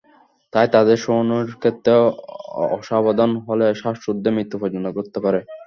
তাই তাদের শোয়ানোর ক্ষেত্রে অসাবধান হলে শ্বাসরোধে মৃত্যু পর্যন্ত ঘটতে পারে।